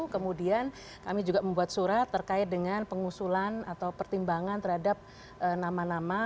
kemudian kami juga membuat surat terkait dengan pengusulan atau pertimbangan terhadap nama nama